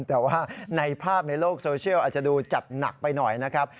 แต่ว่าในภาพในโลกโซเชียลอาจจะดูจัดหนักไปหน่อยนะครับ